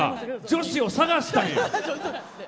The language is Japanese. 女子を探したんや。